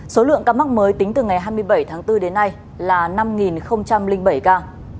số lượng ca mắc mới tính từ ngày hai mươi bảy tháng bốn đến nay là năm bảy ca